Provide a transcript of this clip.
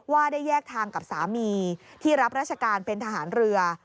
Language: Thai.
ว่าได้แยกทางกับสามีที่รับราชการเป็นทหารเรือ